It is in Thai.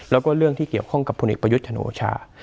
แล้วก็เรื่องที่เกี่ยวข้องกับพลเอกประยุทธ์จันโอชา